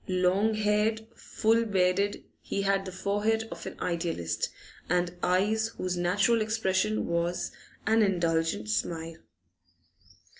Long haired, full bearded, he had the forehead of an idealist and eyes whose natural expression was an indulgent smile.